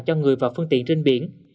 cho người và phương tiện trên biển